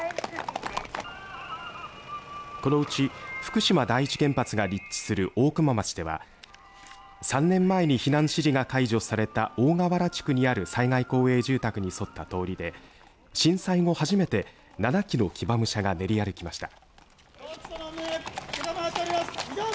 このうち福島第一原発が立地する大熊町では３年前に避難指示が解除された大川原地区にある災害公営住宅に沿った通りで震災後、初めて７騎の騎馬武者が練り歩きました。